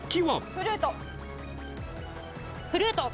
フルート。